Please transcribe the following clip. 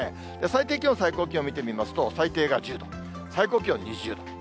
最低気温、最高気温見てみますと、最低が１０度、最高気温２０度。